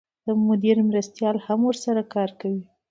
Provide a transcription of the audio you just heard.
د مدیر مرستیالان هم ورسره کار کوي.